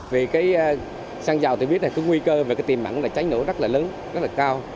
vì cái sang dào tôi biết là có nguy cơ về cái tiềm ẩn là cháy nổ rất là lớn rất là cao